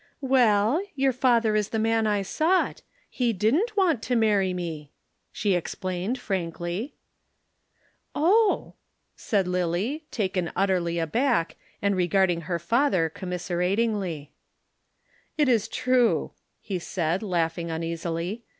"Well? Your father is the man I sought. He didn't want to marry me," she explained frankly. "Oh," said Lillie, taken utterly aback, and regarding her father commiseratingly. "It is true," he said, laughing uneasily.